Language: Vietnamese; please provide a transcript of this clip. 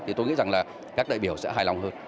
thì tôi nghĩ rằng là các đại biểu sẽ hài lòng hơn